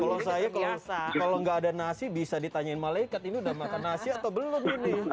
kalau saya kalau nggak ada nasi bisa ditanyain malaikat ini udah makan nasi atau belum ini